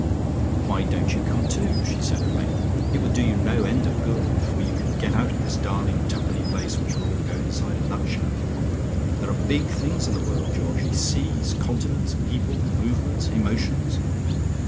"Why don't you come, too?" she said at length. "It would do you no end of good, for you would get out of this darling two penny place which will all go inside a nut shell. There are big things in the world, Georgie: seas, continents, people, movements, emotions.